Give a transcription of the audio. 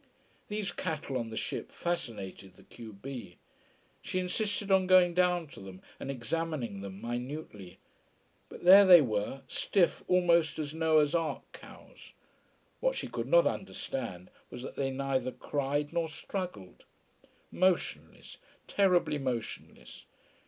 These cattle on the ship fascinated the q b. She insisted on going down to them, and examining them minutely. But there they were stiff almost as Noah's Ark cows. What she could not understand was that they neither cried nor struggled. Motionless terribly motionless.